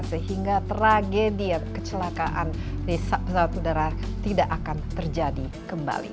sehingga tragedi kecelakaan di pesawat udara tidak akan terjadi kembali